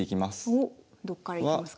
おっどっからいきますか？